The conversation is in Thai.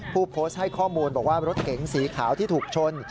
ผู้โพสต์ให้ข้อมูลบอกว่ารถเก๋งสีขาวที่ถูกชน